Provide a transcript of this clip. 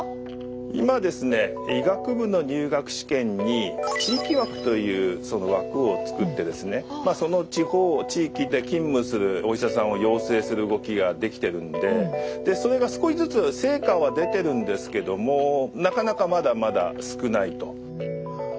今ですね医学部の入学試験に地域枠というその枠を作ってですねその地方地域で勤務するお医者さんを養成する動きができてるんでそれが少しずつ成果は出てるんですけどもなかなかまだまだ少ないと。